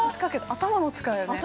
◆頭も使うよね。